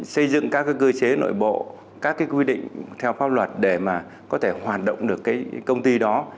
xây dựng các cơ chế nội bộ các quy định theo pháp luật để có thể hoạt động được công ty đó